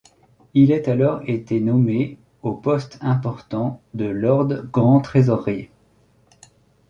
Il est alors été nommé au poste important de Lord grand trésorier.